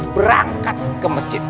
berangkat ke masjid